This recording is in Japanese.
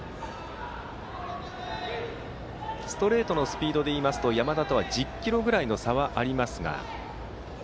ストレートのスピードでいうと山田とは１０キロぐらいの差はありますが。